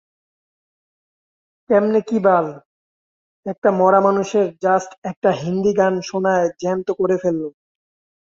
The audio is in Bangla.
কেমনে কি বাল? একটা মরা মানুষরে জাস্ট একটা হিন্দী গান শোনায় জ্যান্ত করে ফেলল?